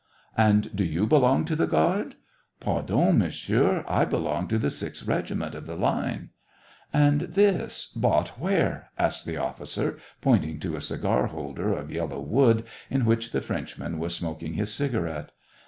And do you belong to the guard ?'* "Pardon, Monsieur, I belong to the sixth reg iment of the line." "And this — bought where?" asks the officer, pointing to a cigar holder of yellow wood, in which the Frenchman was smoking his cigarette.